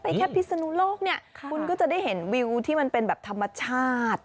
แค่พิศนุโลกเนี่ยคุณก็จะได้เห็นวิวที่มันเป็นแบบธรรมชาติ